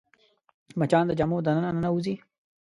مچان د جامو دننه ننوځي